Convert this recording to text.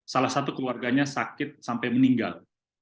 salah satu keluarganya sakit sampai meninggal